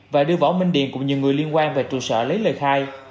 và đưa võ minh điền cùng nhiều người liên quan về trụ sở lấy lời khai